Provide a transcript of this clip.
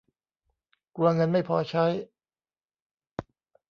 กลัวเงินไม่พอใช้